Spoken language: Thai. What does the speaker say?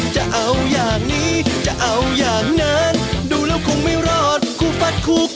จะเอาอย่างนี้จะเอาอย่างนั้นดูแล้วคงไม่รอดคู่ฟัดคู่